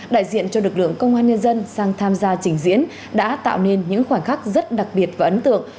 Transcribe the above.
đại diện cho lực lượng công an nhân dân sang tham gia trình diễn đã tạo nên những khoảnh khắc rất đặc biệt và ấn tượng